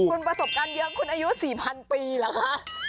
คุณประสบการณ์เยอะคุณอายุ๔๐๐ปีเหรอคะ